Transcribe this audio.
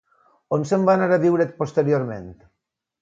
On se'n va anar a viure posteriorment?